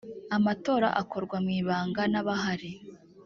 amatora akorwa mu ibanga n’abahari